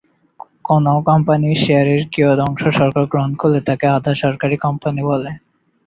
কোনো কোম্পানির শেয়ারের কিয়দংশ সরকার গ্রহণ করলে তাকে আধা-সরকারি কোম্পানি বলে।